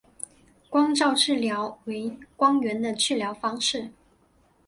光照治疗为光源的治疗方式。